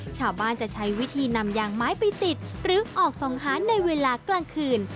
ชาวบ้านจะใช้วิธีนำยางไม้ไปติดหรือออกส่องหาในเวลากลางคืน